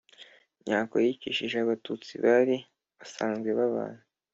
mya ko yicishije abatutsi bali basanzwe babana